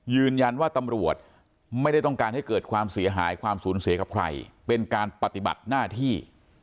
ยืนยันว่าตำรวจไม่ได้ต้องการให้เกิดความเสียหายความสูญเสียกับใครเป็นการปฏิบัติหน้าที่